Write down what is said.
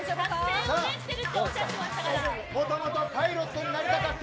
もともとパイロットになりたかった